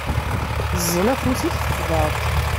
Ẓẓel afus-ik, tettebɛeḍ-t.